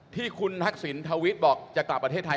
ที่คุณทักษิณฑวิทย์บอกจะกลับประเทศไทย